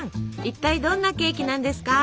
一体どんなケーキなんですか？